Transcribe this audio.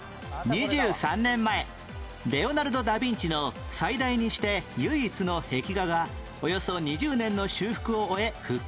２３年前レオナルド・ダ・ビンチの最大にして唯一の壁画がおよそ２０年の修復を終え復活